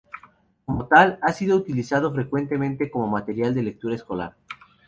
Como tal, ha sido utilizado frecuentemente como material de lectura escolar.